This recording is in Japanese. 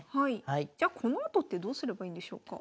じゃこのあとってどうすればいいんでしょうか？